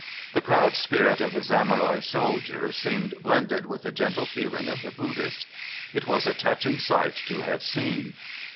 The proud spirit of the Samurai soldier seemed blended with the gentle feeling of the Buddhist. It was a touching sight to have seen.